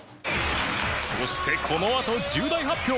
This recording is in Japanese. そしてこのあと重大発表